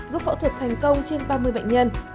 giúp phẫu thuật thành công trên ba mươi bệnh nhân